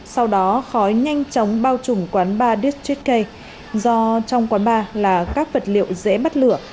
sau đó khói nhanh chóng bao trùng quán ba district k do trong quán ba là các vật liệu dễ bắt lửa